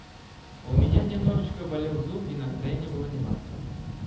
У меня немножечко болел зуб и настроение было неважное.